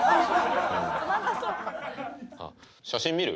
あっ写真見る？